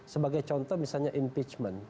sebagai contoh misalnya impeachment